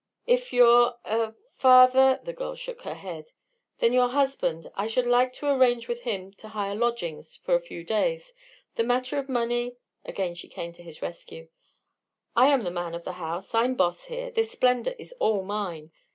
"If your er father " The girl shook her head. "Then your husband I should like to arrange with him to hire lodgings for a few days. The matter of money " Again she came to his rescue. "I am the man of the house. I'm boss here. This splendor is all mine."